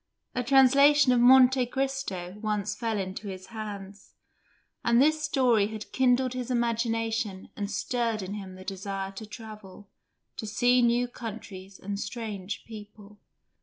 A translation of "Monte Cristo" once fell into his hands, and this story had kindled his imagination and stirred in him the desire to travel, to see new countries and strange people.